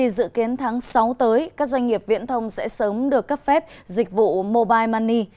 dự kiến tháng sáu tới các doanh nghiệp viễn thông sẽ sớm được cấp phép dịch vụ mobile money